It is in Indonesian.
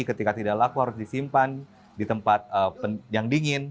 ketika tidak laku harus disimpan di tempat yang dingin